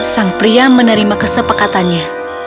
sang pria menerima kesepakatannya